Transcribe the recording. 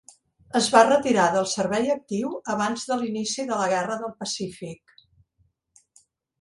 Es va retirar del servei actiu abans de l'inici de la guerra del Pacífic.